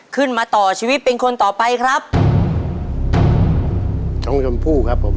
ขึ้นมาต่อชีวิตเป็นคนต่อไปครับน้องชมพู่ครับผม